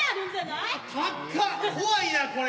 怖いなこれ。